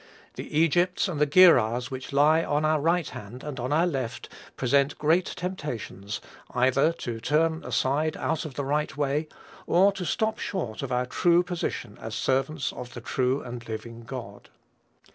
The Egypts and the Gerars which lie on our right hand and on our left present great temptations, either to turn aside out of the right way, or to stop short of our true position as servants of the true and living God.